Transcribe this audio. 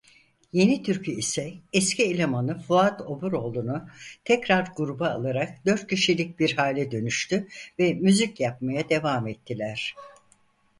Yeni Türkü ise eski elemanı Fuat Oburoğlu'nu tekrar gruba alarak dört kişilik bir hale dönüştü ve müzik yapmaya devam ettiler.